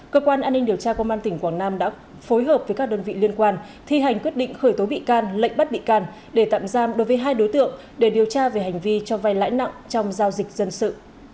cơ quan an ninh điều tra công an tỉnh quảng nam đã phối hợp với các đơn vị liên quan thi hành quyết định khởi tố bị can lệnh bắt bị can để tạm giam đối với hai đối tượng để điều tra về hành vi cho vai lãi nặng trong giao dịch dân sự